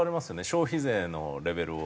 消費税のレベルを。